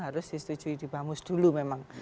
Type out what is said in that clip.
harus disetujui di bamus dulu memang